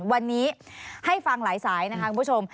วันนี้ให้ฟังหลายสายนะคะคุณผู้ชม